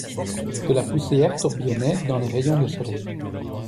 De la poussière tourbillonnait dans les rayons de soleil.